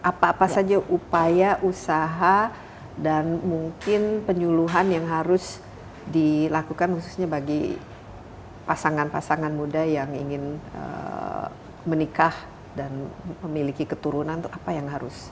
apa apa saja upaya usaha dan mungkin penyuluhan yang harus dilakukan khususnya bagi pasangan pasangan muda yang ingin menikah dan memiliki keturunan itu apa yang harus